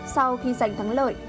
sau khi giành thắng lợi